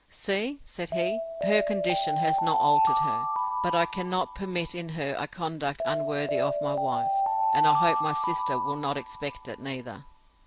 See, said he, her condition has not altered her; but I cannot permit in her a conduct unworthy of my wife; and I hope my sister will not expect it neither.